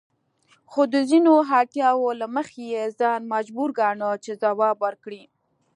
خو د ځینو اړتیاوو له مخې یې ځان مجبور ګاڼه چې ځواب ورکړي.